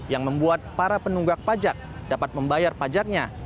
yang membuat para penunggak pajak dapat membayar pajaknya